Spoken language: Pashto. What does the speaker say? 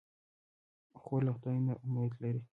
خور له خدای نه امید لري.